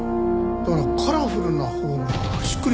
だから「カラフル」なほうがしっくりくる。